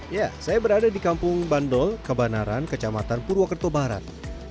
ya saya berada di kampung bandol kebanaran kecamatan purwokerto barat